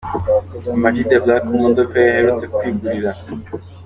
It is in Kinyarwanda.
AmaG the Black ku modoka ye aherutse kwigurira.